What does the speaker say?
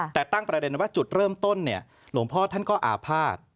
แต่ตั้งประเด็นว่าจุดเริ่มต้นหลวงพ่อท่านก็อาภาษณ์